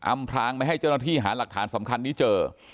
พรางไม่ให้เจ้าหน้าที่หาหลักฐานสำคัญนี้เจอ